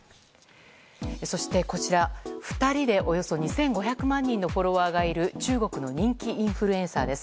そして、こちら２人でおよそ２５００万人のフォロワーがいる中国の人気インフルエンサーです。